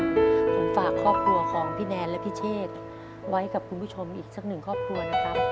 ผมฝากครอบครัวของพี่แนนและพี่เชษไว้กับคุณผู้ชมอีกสักหนึ่งครอบครัวนะครับ